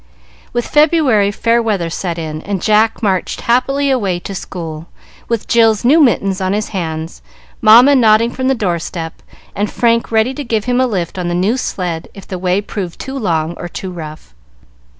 With February fair weather set in, and Jack marched happily away to school, with Jill's new mittens on his hands, Mamma nodding from the door step, and Frank ready to give him a lift on the new sled, if the way proved too long or too rough.